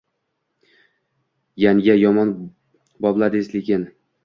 Yanga, yomon bopladiz lekin